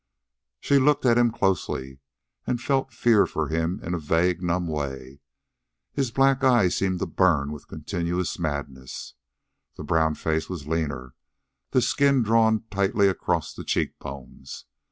She looked at him closely, and felt fear for him in a vague, numb way. His black eyes seemed to burn with a continuous madness. The brown face was leaner, the skin drawn tightly across the cheekbones.